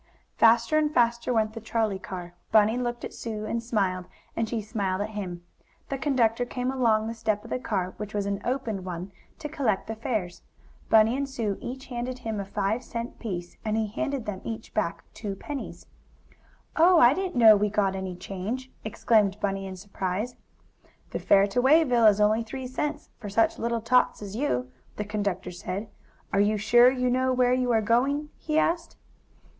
Faster and faster went the trolley car. Bunny looked at Sue and smiled, and she smiled at him. The conductor came along the step of the car, which was an open one, to collect the fares. Bunny and Sue each handed him a five cent piece, and he handed them each back two pennies. "Oh, I didn't know we got any change!" exclaimed Bunny, in surprise "The fare to Wayville is only three cents, for such little tots as you," the conductor said. "Are you sure you know where you are going?" he asked.